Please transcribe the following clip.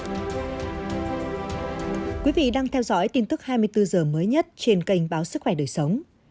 thưa quý vị đang theo dõi tin tức hai mươi bốn h mới nhất trên kênh báo sức khỏe đời sống